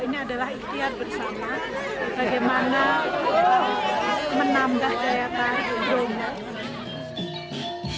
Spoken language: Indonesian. ini adalah ikhtiar bersama bagaimana menambah daya tarik bromo